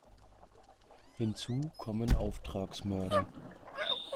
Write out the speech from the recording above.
Hinzu kommen Auftragsmörder.